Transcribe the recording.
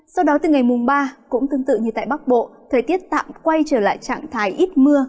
sau đó từ ngày mùng ba cũng tương tự như tại bắc bộ thời tiết tạm quay trở lại trạng thái ít mưa